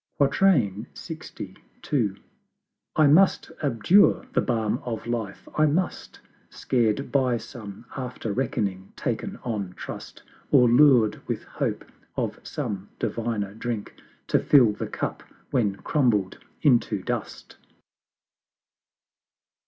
LXII. I must abjure the Balm of Life, I must, Scared by some After reckoning ta'en on trust, Or lured with Hope of some Diviner Drink, To fill the Cup when crumbled into Dust!